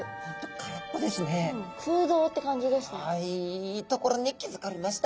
いいところに気付かれました。